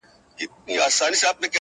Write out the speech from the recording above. • ستا له غمه مي بدن ټوله کړېږي..